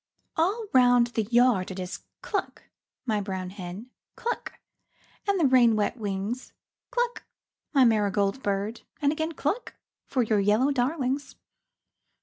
All round the yard it is cluck, my brown hen, Cluck, and the rain wet wings, Cluck, my marigold bird, and again Cluck for your yellow darlings.